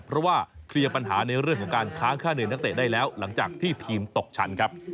เพราะว่าเคลียร์ปัญหาในเรื่องของการค้างค่าเหนื่อยนักเตะได้แล้วหลังจากที่ทีมตกชั้นครับ